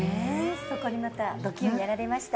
そこにまたドキュンやられました。